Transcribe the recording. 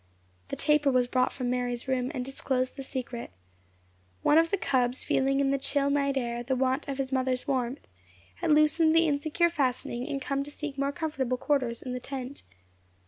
The taper was brought from Mary's room, and disclosed the secret. One of the cubs feeling in the chill, night air the want of its mother's warmth, had loosed the insecure fastening, and come to seek more comfortable quarters in the tent.